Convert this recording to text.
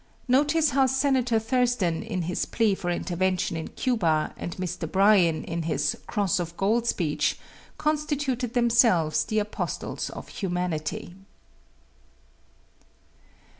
Notice how Senator Thurston in his plea for intervention in Cuba and Mr. Bryan in his "Cross of Gold" speech constituted themselves the apostles of humanity.